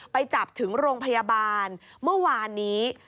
ไปจับถึงโรงพยาบาลเมื่อวานนี้